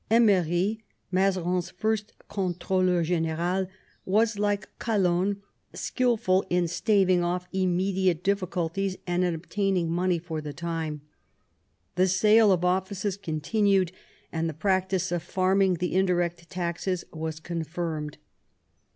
Emery, Mazarin's first controleur g^nSral, was, like Calonne, skilful in staving off immediate difficulties and in obtaining money for the time. The sale of offices continued, and the practice of farming the indirect taxes was confirmed.